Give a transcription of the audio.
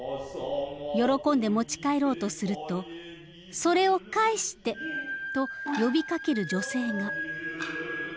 喜んで持ち帰ろうとすると「それを返して！」と呼びかける女性が。